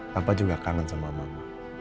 papa juga kangen sama mama